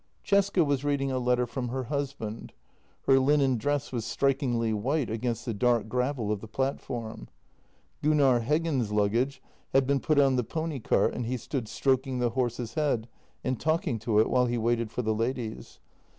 Cesca was reading a letter from her husband. Her linen dress was strikingly white against the dark gravel of the plat form. Gunnar Heggen's luggage had been put on the pony cart, and he stood stroking the horse's head and talking to it while he waited for the ladies.